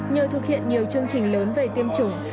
nhờ thực hiện nhiều chương trình lớn về tiêm chủng